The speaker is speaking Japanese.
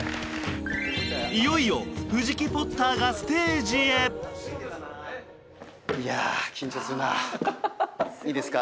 いよいよ藤木ポッターがステージへいや緊張するないいですか？